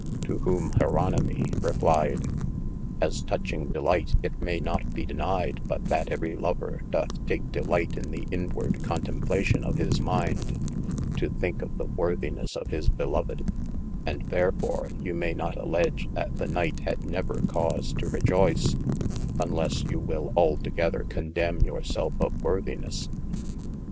To whome yeronimy replied, as touching delight, it maye not be denied but that every lover doth take delight in the inward contemplation of his mind, to think of the worthines of his beloved :& there fore you maie not alledge that the Knight had never cause to rejoyce, unlesse you will altogeather condemne your selfe of worthines.